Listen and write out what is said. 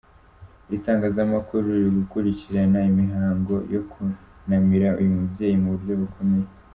Itangazamakuru riri gukurikirana imihango yo kunamira uyu mubyeyi mu buryo bukomeye.